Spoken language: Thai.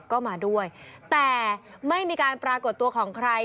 ก็มาด้วยแต่ไม่มีการปรากฏตัวของใคร